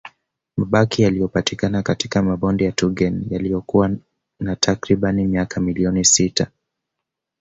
Mabaki yaliyopatikana katika mabonde ya Tugen yaliyokuwa na takriban miaka milioni sita